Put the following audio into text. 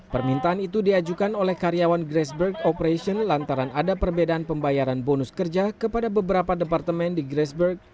permintaan itu diajukan oleh karyawan grassberg operation lantaran ada perbedaan pembayaran bonus kerja kepada beberapa departemen di grassberg